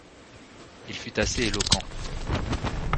Il fut assez éloquent.